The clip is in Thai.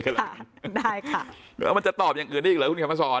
ค่ะได้ค่ะแล้วมันจะตอบอย่างอื่นอีกหรือคุณค่ะมาสอน